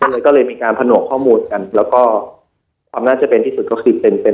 ก็เลยมีการผนวกข้อมูลกันแล้วก็ความน่าจะเป็นที่สุดก็คือเป็นเป็น